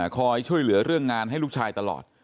คอยช่วยเหลือเรื่องงานให้ลูกชายตลอด